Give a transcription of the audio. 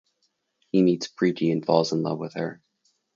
He meets Priti and falls in love with her.